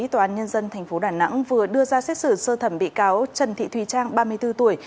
tòa án nhân dân tp đà nẵng vừa đưa ra xét xử sơ thẩm bị cáo trần thị thùy trang ba mươi bốn tuổi